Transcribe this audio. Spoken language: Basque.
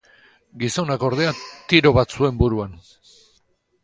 Gizonak, ordea, tiro bat zuen buruan.